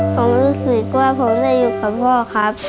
ผมรู้สึกว่าผมได้อยู่กับพ่อครับ